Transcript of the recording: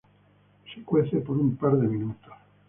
Se cuece por un par de minutos.